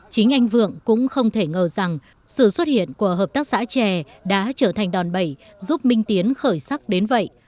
chính anh vượng cũng không thể ngờ rằng sự xuất hiện của hợp tác xã trẻ đã trở thành đòn bẩy giúp minh tiến khởi sắc đến vậy